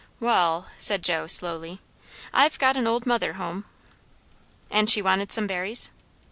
"Wall, " said Joe slowly, "I've got an old mother hum." "And she wanted some berries?"